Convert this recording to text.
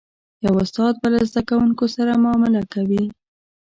یو استاد به له زده کوونکو سره معامله کوي.